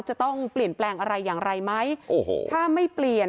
จะต้องเปลี่ยนแปลงอะไรอย่างไรไหมโอ้โหถ้าไม่เปลี่ยน